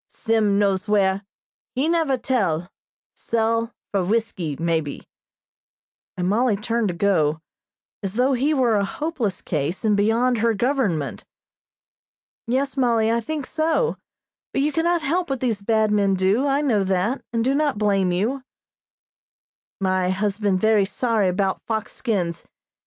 Sim knows where he never tell sell for whiskey, maybe," and Mollie turned to go, as though he were a hopeless case, and beyond her government. "Yes, Mollie, I think so; but you can not help what these bad men do. I know that, and do not blame you." "My husband very sorry 'bout fox skins.